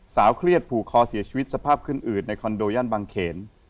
เครียดผูกคอเสียชีวิตสภาพขึ้นอืดในคอนโดย่านบางเขน